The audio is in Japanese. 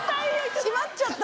閉まっちゃった。